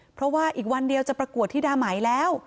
เพราะว่าอีกวันเดียวจะประกวดที่ดาไหมแล้ว